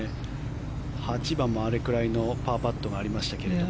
８番もあれくらいのパーパットがありましたけど。